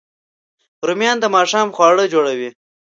رومیان د ماښام خواړه جوړوي